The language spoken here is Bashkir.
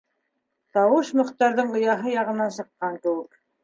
Тауыш Мөхтәрҙең ояһы яғынан сыҡҡан кеүек.